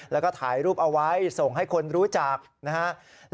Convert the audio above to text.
แล้วก็ถ่ายรูปเอาไว้ส่งให้คนรู้จักนะฮะ